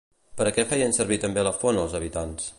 Per a què feien servir també la font els habitants?